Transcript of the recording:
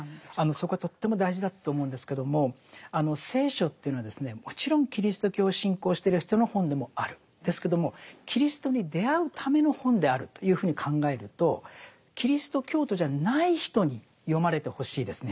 そこはとっても大事だと思うんですけども聖書というのはですねもちろんキリスト教を信仰してる人の本でもあるんですけどもキリストに出会うための本であるというふうに考えるとキリスト教徒じゃない人に読まれてほしいですね